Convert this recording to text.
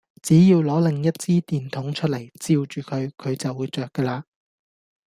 只要攞另外一支電筒出嚟，照住佢，佢就會著架喇